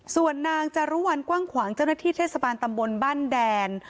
ส่วนนางจารุวัลกว้างขวางเจ้าหน้าที่เทศบาลตำบลบ้านแดน